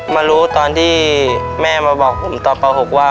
มารู้ตอนที่แม่มาบอกตอนป่าวหกว่า